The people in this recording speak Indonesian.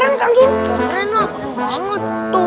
enak banget tuh